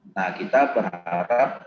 nah kita berharap